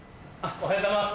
おはようございます。